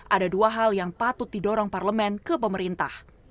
ada dua hal yang patut didorong parlemen ke pemerintah